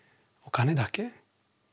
お金だけ？